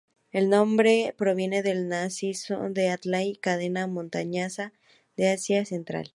El nombre proviene del macizo de Altái, cadena montañosa de Asia central.